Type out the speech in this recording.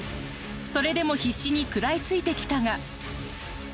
それでも必死に食らいついてきたが。